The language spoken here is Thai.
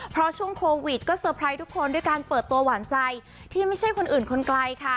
เพราะช่วงโควิดก็เตอร์ไพรส์ทุกคนด้วยการเปิดตัวหวานใจที่ไม่ใช่คนอื่นคนไกลค่ะ